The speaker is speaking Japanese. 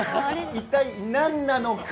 一体何なのか？